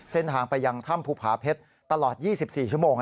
เส้นทางไปยังถ้ำภูผาเพชรตลอด๒๔ชั่วโมง